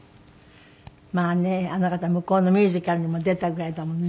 まあねあの方向こうのミュージカルにも出たぐらいだもんね。